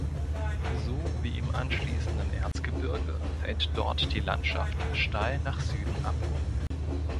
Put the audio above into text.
So wie im anschließenden Erzgebirge fällt dort die Landschaft steil nach Süden ab.